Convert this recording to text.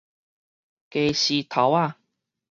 家私頭仔